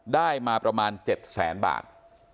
ได้มาประมาณ๗แสนบาท